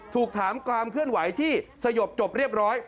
ถูกถามความเคลื่อนไหวที่สยบจบเรียบร้อย